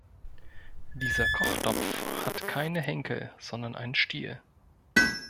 Dieser Kochtopf hat keine Henkel, sondern einen Stiel.